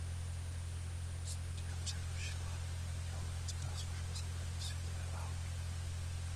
Studia přerušila jeho vojenská služba za první světové války.